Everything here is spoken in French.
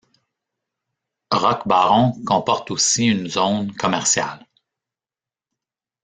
Rocbaron comporte aussi une zone commerciale.